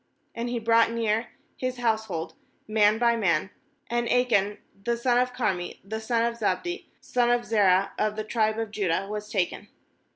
18And he brought near his household man by man; and Achan, the son of Carmi, the son of Zabdi, the son of Zerah, of the tribe of Judah, was taken.